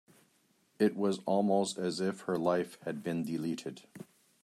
It was almost as if her life had been deleted.